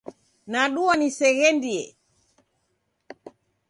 Nadua niseghendie.